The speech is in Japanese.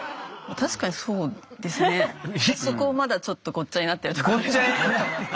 そこをまだちょっとごっちゃになってるところが。